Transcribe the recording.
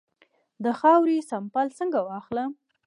د خاورې سمپل څنګه واخلم؟